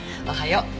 おはよう。